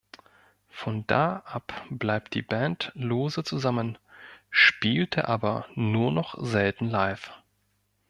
Von da ab bleibt die Band lose zusammen, spielte aber nur noch selten live.